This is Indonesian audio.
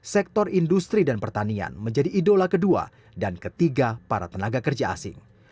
sektor industri dan pertanian menjadi idola kedua dan ketiga para tenaga kerja asing